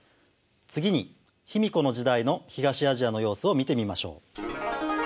次に卑弥呼の時代の東アジアの様子を見てみましょう。